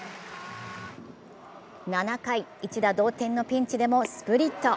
７回、一打同点のピンチでもスプリット。